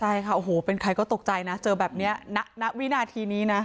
ใช่ค่ะโอ้โหเป็นใครก็ตกใจนะเจอแบบนี้ณวินาทีนี้นะ